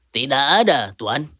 tidak ada tuan